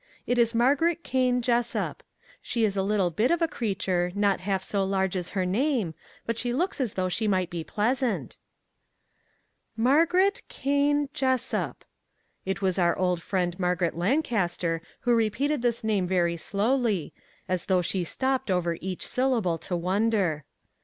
It is Margaret Kane Jessup. She is a little bit of a creature, not half so large as her name, but she looks as though she might be pleasant." 312 A MEMORABLE BIRTHDAY " Margaret Kane Jessup !" It was our old friend Margaret Lancaster who repeated this name very slowly, as though she stopped over each syllable to wonder.